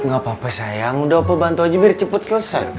nggak apa apa sayang udah opo bantu aja biar cepet selesai